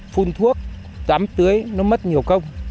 phun thuốc tắm tưới nó mất nhiều công